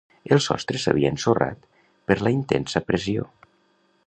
El sostre s'havia ensorrat per la intensa pressió.